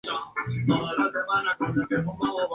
El proceso comenzó con dos play-offs.